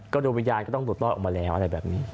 การโดยวิญญาณก็ต้องหลุดลอดออกมาแล้วอะไรแบบนี้